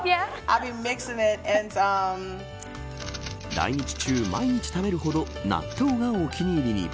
来日中、毎日食べるほど納豆がお気に入りに。